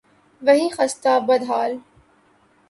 وہی خستہ، بد حال